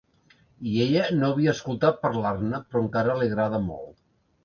I ella no havia escoltat parlar-ne, però encara li agrada molt.